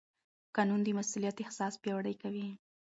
قانون د مسوولیت احساس پیاوړی کوي.